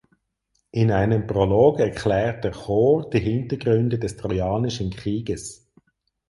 In einem Prolog erklärt der Chor die Hintergründe des Trojanischen Krieges.